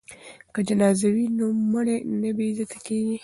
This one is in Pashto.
که جنازه وي نو مړی نه بې عزته کیږي.